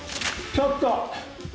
ちょっと。